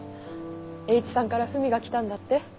栄一さんから文が来たんだって。